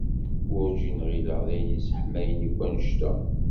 Werǧin ɣilleɣ d ayen yesseḥmawen akk annect-a.